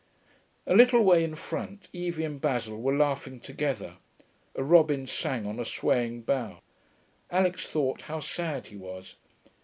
A little way in front Evie and Basil were laughing together. A robin sang on a swaying bough. Alix thought how sad he was.